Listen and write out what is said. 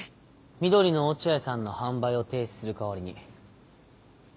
「緑のおチアイさん」の販売を停止する代わりに。